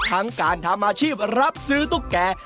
ทั้งการทำอาชีพรับซื้อตุ๊กแก่